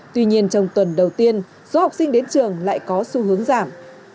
tuy nhiên trong tuần đầu tiên số học sinh đến trường lại có xu hướng giảm